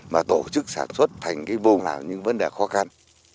mà tổ chức sản xuất thành cái vùng nào những vấn đề khó khăn